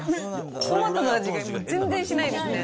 トマトの味が全然しないですね。